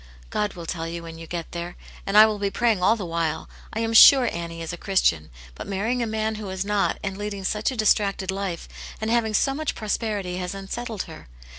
" God will tell you when you get there. And I will be praying all the while. I am sure Annie is a Christian, but marrying a man who was not, and leading such a distracted life, and having so much prosperity, has unsettled her.